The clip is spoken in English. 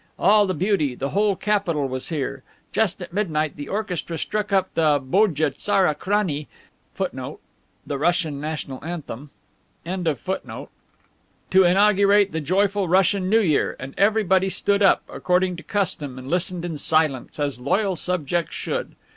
All the beauty, the whole capital, was here. Just at midnight the orchestra struck up the Bodje tsara krani* to inaugurate the joyful Russian New Year, and everybody stood up, according to custom, and listened in silence, as loyal subjects should.